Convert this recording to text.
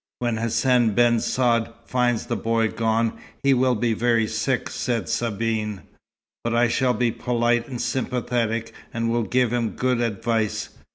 "When Hassan ben Saad finds the boy gone, he will be very sick," said Sabine. "But I shall be polite and sympathetic, and will give him good advice.